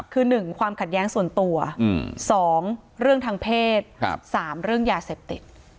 คือ๑ความขัดแย้งส่วนตัว๒เรื่องทางเพศ๓เรื่องยาเสพติด